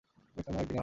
এখনো একদিনও হয়নি!